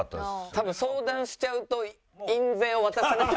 多分相談しちゃうと印税を渡さなきゃいけないので。